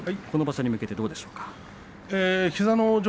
この場所に向けてどうでしょうか、琴ノ若。